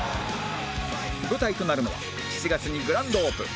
舞台となるのは７月にグランドオープン！